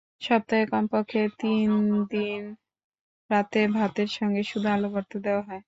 সপ্তাহে কমপক্ষে তিন দিন রাতে ভাতের সঙ্গে শুধু আলু ভর্তা দেওয়া হয়।